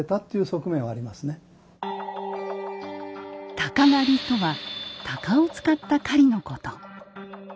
「鷹狩」とは鷹を使った狩りのこと。